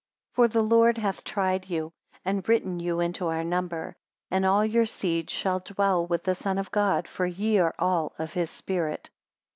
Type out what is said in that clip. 214 For the Lord hath tried you, and written you into our number; and all your seed shall dwell with the Son of God; for ye are all of his spirit.